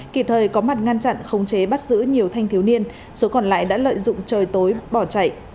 kịp thời có mặt ngăn chặn khống chế bắt giữ nhiều thanh thiếu niên số còn lại đã lợi dụng trời tối bỏ chạy